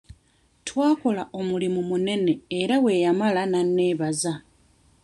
Twakola omulimu munene era bwe yamala n'anneebaza.